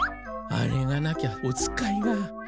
あれがなきゃお使いが。